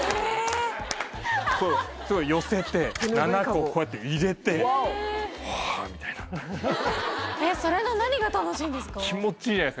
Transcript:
すごい寄せて７個こうやって入れて「はあ」みたいなそれの何が楽しいんですか？